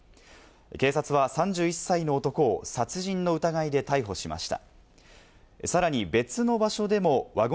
警察は３１歳の男を殺人の疑いで逮捕しました。